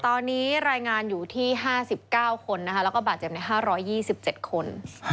ตอนนี้รายงานอยู่ที่๕๙คนนะคะแล้วก็บาดเจ็บใน๕๒๗คน